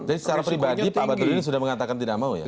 jadi secara pribadi pak badurin sudah mengatakan tidak mau ya